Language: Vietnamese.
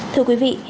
thưa quý vị